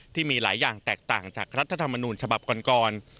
ที่มีหลายอย่างแตกต่างจากรัฐธรรมนูญฉบับก่อน